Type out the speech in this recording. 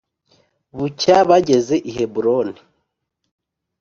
bucya bageze i Heburoni.